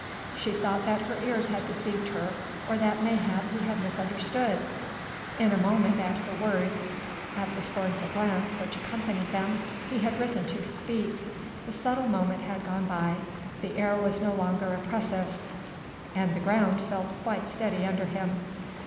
She thought that her ears had deceived her or that mayhap he had misunderstood. In a moment at her words, at the scornful glance which accompanied them, he had risen to his feet. The subtle moment had gone by; the air was no longer oppressive, and the ground felt quite steady under him.